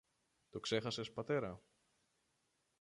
Το ξέχασες, πατέρα;